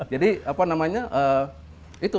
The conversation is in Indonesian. jadi apa namanya itu